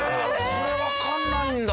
これわかんないんだ。